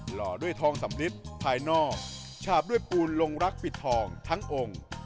ห่อด้วยทองสำลิดภายนอกฉาบด้วยปูนลงรักปิดทองทั้งองค์